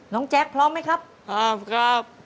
แจ๊คพร้อมไหมครับพร้อมครับ